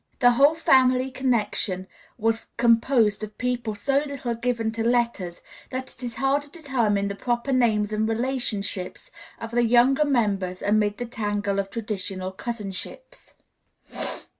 The whole family connection was composed of people so little given to letters that it is hard to determine the proper names and relationships of the younger members amid the tangle of traditional cousinships.